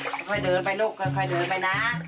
ค่อยเดินไปลูกค่อยเดินไปนะ